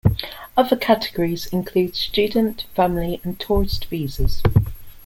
Other categories include student, family and tourist visas.